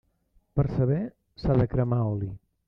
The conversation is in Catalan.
Per saber, s'ha de cremar oli.